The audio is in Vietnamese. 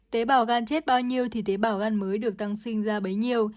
tế bào gan chết bao nhiêu thì tế bào gan mới được tăng sinh ra bấy nhiêu